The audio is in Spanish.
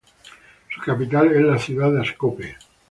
Su capital es la ciudad de Ascope.